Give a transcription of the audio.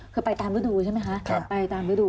คือไปตามฤดูใช่ไหมคะไปตามฤดู